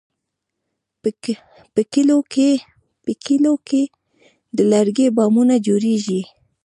په کلیو کې د لرګي بامونه جوړېږي.